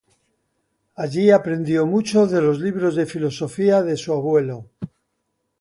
Allí aprendió mucho de los libros de filosofía de su abuelo.